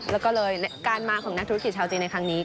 แล้วก็เลยการมาของนักธุรกิจชาวจีนในครั้งนี้